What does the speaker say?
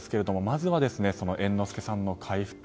まずは、猿之助さんの回復